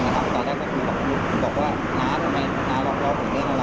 ใช่ครับลูกต้องใช่ครับ